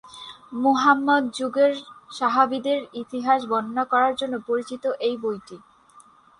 মুহাম্মদ যুগের সাহাবীদের ইতিহাস বর্ণনা করার জন্য পরিচিত এই বইটি।